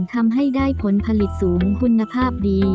ทำให้ได้ผลผลิตสูงคุณภาพดี